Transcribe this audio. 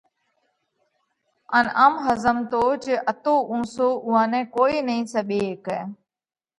ان ام ۿزمتو جي اتو اُونسو اُوئا نئہ ڪوئي نئين سٻي هيڪئہ،